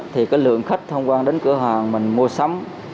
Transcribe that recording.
thì cái lượng khách thông qua đến cửa hàng mình mua sắm